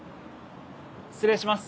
失礼します。